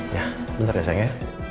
ya bentar ya sayang ya